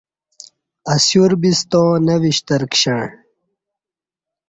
اسیوربِستاں نہ وشتر کشݩع